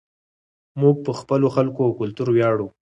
موږ په خپلو خلکو او کلتور ویاړو.